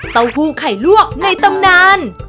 เต้าหู้ไข่ลวกในตำนาน